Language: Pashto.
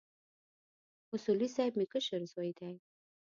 اصولي صیب مې کشر زوی دی.